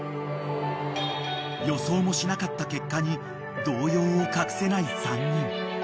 ［予想もしなかった結果に動揺を隠せない３人］